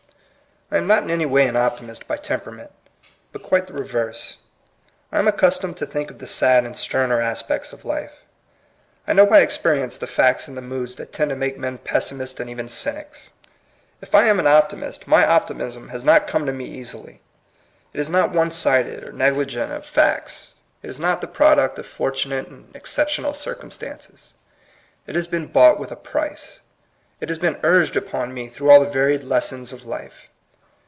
I am not in any way an optimist by temperament, but quite the reverse. I am accustomed to think of the sad and sterner aspects of life. I know by experience the facts and the moods that tend to make men pessi mists and even cynics. If I am an opti mist, my optimism has not come to me easily; it is not one sided, or negligent of ill iv INTRODUCTION. facts. It is not the product of fortunate and exceptional circumstances. It has been bought with a price; it has been urged upon me through all the varied lessons of life.